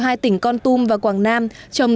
hai tỉnh con tum và quảng nam trồng